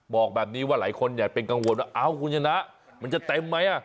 บอกแบบนี้ว่าหลายคนอยากเป็นกังวลว่าเอ้าคุณชนะมันจะเต็มไหม